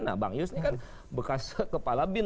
nah bang yus ini kan bekas kepala bin